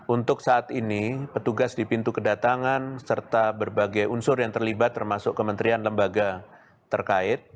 untuk saat ini petugas di pintu kedatangan serta berbagai unsur yang terlibat termasuk kementerian lembaga terkait